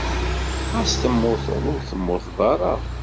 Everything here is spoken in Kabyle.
Ɣas temmuteḍ, ur temmuteḍ ara.